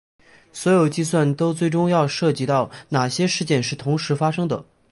所有计算都最终要涉及到哪些事件是同时发生的。